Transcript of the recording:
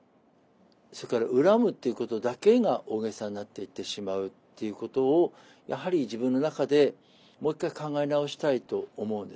それから恨むっていうことだけが大げさになっていってしまうということをやはり自分の中でもう一回考え直したいと思うんですね。